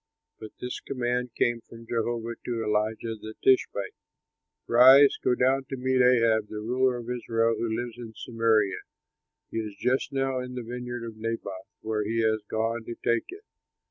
But this command came from Jehovah to Elijah, the Tishbite, "Rise, go down to meet Ahab, the ruler of Israel, who lives in Samaria; he is just now in the vineyard of Naboth, where he has gone to take it.